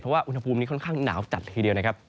เพราะว่าอุณหภูมินี้ค่อนข้างหนาวจัดทีเดียวนะครับ